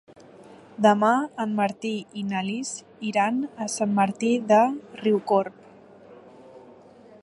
Demà en Martí i na Lis iran a Sant Martí de Riucorb.